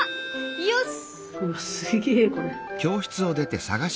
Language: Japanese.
よし！